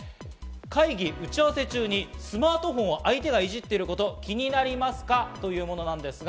会議、打ち合わせ中にスマートフォンを相手がいじってること気になりますか？というものです。